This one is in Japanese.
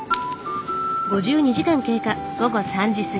午後３時過ぎ。